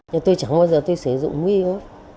nhưng tôi chẳng bao giờ tôi sử dụng muối iốt